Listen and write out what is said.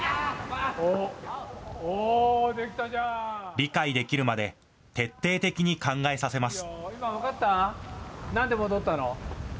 理解できるまで徹底的に考えさせます。